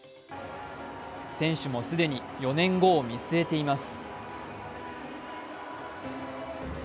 選手たちも既に４年後を見据えています。